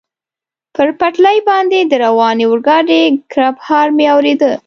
پر پټلۍ باندې د روانې اورګاډي کړپهار مې اورېده.